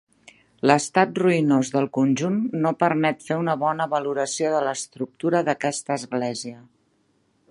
L'estat ruïnós del conjunt no permet fer una bona valoració de l'estructura d'aquesta església.